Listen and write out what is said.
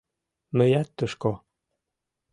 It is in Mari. Мыят — тушко.